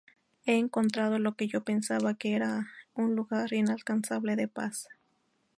He encontrado lo que yo pensaba que era un lugar inalcanzable de paz.